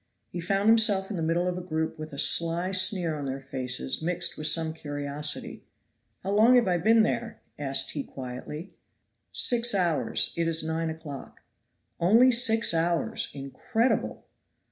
He found himself in the middle of a group with a sly sneer on their faces mixed with some curiosity. "How long have I been there?" asked he quietly. "Six hours; it is nine o'clock." "Only six hours! incredible!"